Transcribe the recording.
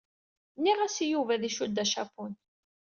Nniɣ-as i Yuba ad icudd acapun.